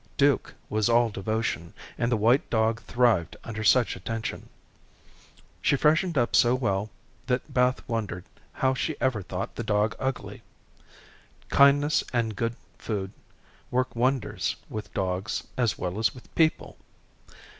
Duke was all devotion, and the white dog thrived under such attention. She freshened up so well that Beth wondered how she ever thought the dog ugly. Kindness and good food work wonders with dogs as well as with people.